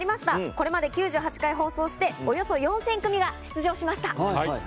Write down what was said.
これまで９８回放送しておよそ４０００組が出場しました。